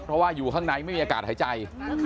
เพราะว่าอยู่ข้างในไม่มีอากาศหายใจ